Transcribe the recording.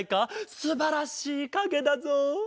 すばらしいかげだぞ。